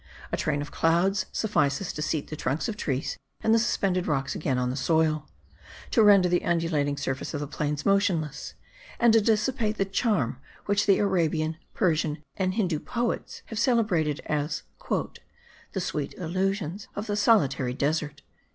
A train of clouds suffices to seat the trunks of trees and the suspended rocks again on the soil; to render the undulating surface of the plains motionless; and to dissipate the charm which the Arabian, Persian, and Hindoo poets have celebrated as "the sweet illusions of the solitary desert."